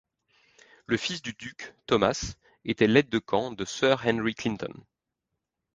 Le fils du duc, Thomas, était l'Aide de camp de sir Henry Clinton.